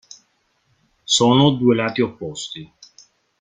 Sono due lati opposti.